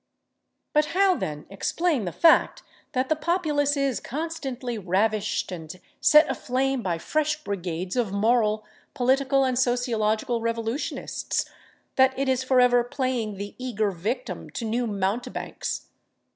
But how, then, explain the fact that the populace is constantly ravished and set aflame by fresh brigades of moral, political and sociological revolutionists—that it is forever playing the eager victim to new mountebanks?